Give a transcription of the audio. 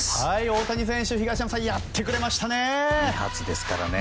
東山さん、やってくれましたね。